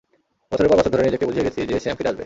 বছরের পর বছর ধরে, নিজেকে বুঝিয়ে গেছি যে স্যাম ফিরে আসবে।